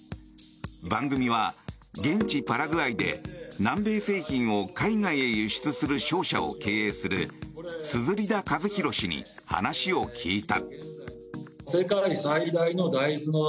番組は、現地パラグアイで南米製品を海外へ輸出する商社を経営する硯田一弘氏に話を聞いた。